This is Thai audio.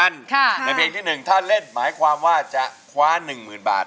ในเพลงที่๑ถ้าเล่นหมายความว่าจะคว้า๑๐๐๐บาท